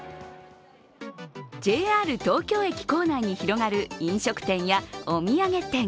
ＪＲ東京駅構内に広がる飲食店やお土産店。